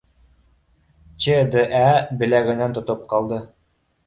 ЩДӘ беләгенән тотоп ҡалды